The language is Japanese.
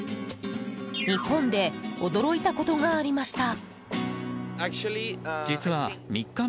日本で驚いたことがありました。